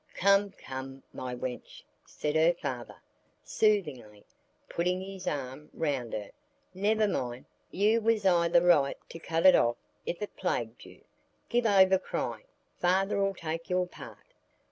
"Come, come, my wench," said her father, soothingly, putting his arm round her, "never mind; you was i' the right to cut it off if it plagued you; give over crying; father'll take your part."